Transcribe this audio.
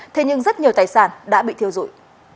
thế nhưng rất nhiều tài sản đã bị thiêu dụi